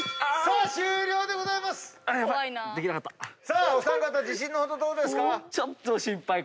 さあお三方自信の程どうですか？